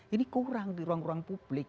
ini kurang di ruang ruang publik